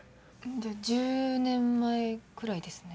じゃあ１０年前くらいですね。